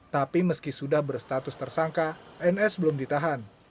tapi meski sudah berstatus tersangka ns belum ditahan